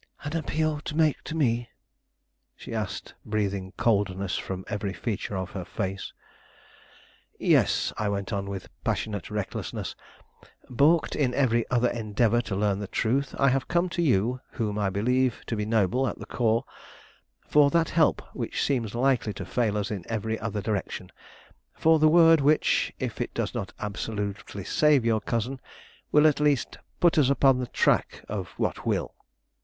"An appeal to make to me?" she asked, breathing coldness from every feature of her face. "Yes," I went on, with passionate recklessness. "Balked in every other endeavor to learn the truth, I have come to you, whom I believe to be noble at the core, for that help which seems likely to fail us in every other direction: for the word which, if it does not absolutely save your cousin, will at least put us upon the track of what will."